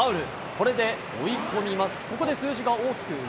これで追い込みます。